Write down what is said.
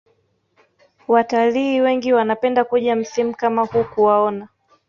Watalii wengi wanapenda kuja msimu kama huu kuwaona